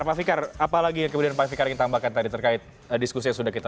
pak fikar apa lagi yang kemudian pak fikar ingin tambahkan tadi terkait diskusi yang sudah kita